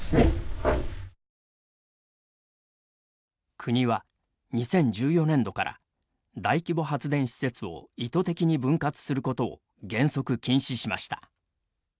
国は２０１４年度から大規模発電施設を意図的に分割することを原則禁止しました。